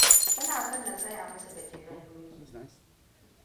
Suna son na saya musu gajeren doki.